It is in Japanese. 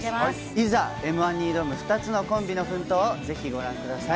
いざＭー１に挑む２つのコンビの奮闘を、ぜひご覧ください。